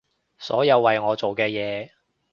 所有為我做嘅嘢